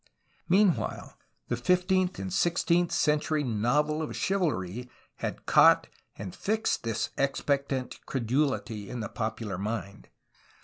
Meanwhile the fifteenth and sixteenth century novel of chivalry had caught and fixed this expec tant credulity in the popular mind.